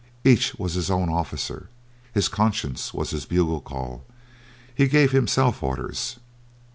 Each was his own officer, his conscience was his bugle call, he gave himself orders.